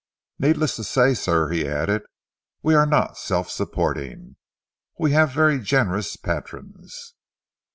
"Needless to say, sir," he added, "we are not self supporting. We have very generous patrons."